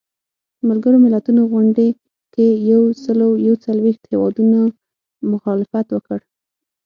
ملګرو ملتونو غونډې کې یو سلو یو څلویښت هیوادونو مخالفت وکړ.